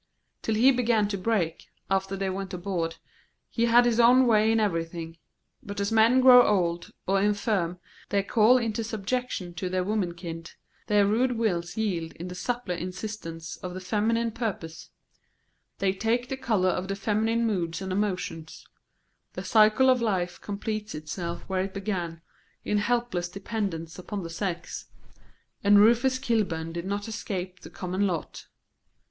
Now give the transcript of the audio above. Till he began to break, after they went abroad, he had his own way in everything; but as men grow old or infirm they fall into subjection to their womenkind; their rude wills yield in the suppler insistence of the feminine purpose; they take the colour of the feminine moods and emotions; the cycle of life completes itself where it began, in helpless dependence upon the sex; and Rufus Kilburn did not escape the common lot.